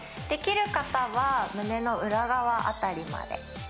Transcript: できる方は胸の裏側辺りまで。